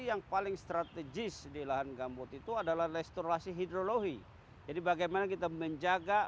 yang paling strategis di lahan gambut itu adalah restorasi hidrologi jadi bagaimana kita menjaga